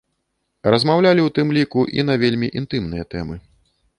Размаўлялі, у тым ліку, і на вельмі інтымныя тэмы.